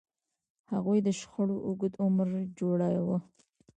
هغوی د شخړو اوږد عمر جوړاوه.